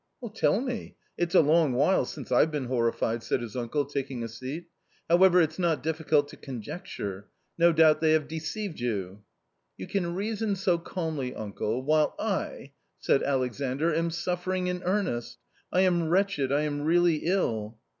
"" Tell me ; it's a long while since I've been horrified," said his uncle, taking a seat ;" however, it's not difficult to conjecture ; no doubt, they have deceived you " 11 You can reason so calmly, uncle, while I " said Alexandr, " am suffering in earnest ; I am wretched, I am really ill."